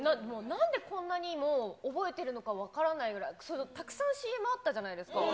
なんでこんなにも覚えてるのか分からないぐらい、たくさんＣＭあったじゃないですか。